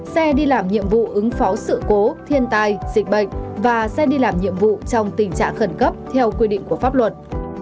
xe đi làm nhiệm vụ ứng phó sự cố thiên tai dịch bệnh và xe đi làm nhiệm vụ trong tình trạng khẩn cấp theo quy định của pháp luật